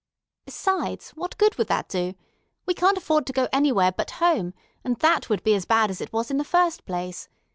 Besides, what good would that do? We couldn't afford to go anywhere but home, and that would be as bad as it was in the first place.